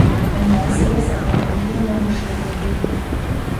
კინო, ასევე სატელევიზიო ნამუშევრები.